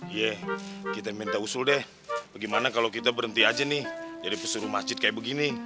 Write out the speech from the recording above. iya kita minta usul deh bagaimana kalau kita berhenti aja nih jadi pesuruh masjid kayak begini